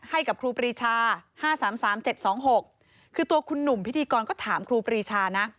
ให้กับครูปรีชาห้าสามสามเจ็ดสองหกคือตัวคุณหนุ่มพิธีกรก็ถามครูปรีชานะ